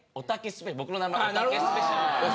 僕の名前おたけスペシャル。